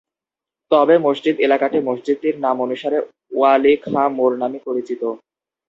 তবে মসজিদ এলাকাটি মসজিদটির নাম অনুসারে ওয়ালী খাঁ মোড় নামে পরিচিত।